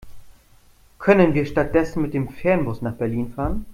Können wir stattdessen mit dem Fernbus nach Berlin fahren?